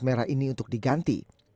pemeran ini untuk diganti